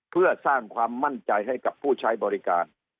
เพื่อสร้างความมั่นใจให้กับผู้ใช้บริการ